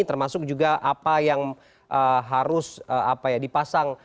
termasuk juga apa yang harus dipasang